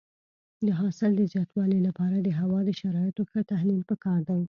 د حاصل د زیاتوالي لپاره د هوا د شرایطو ښه تحلیل پکار دی.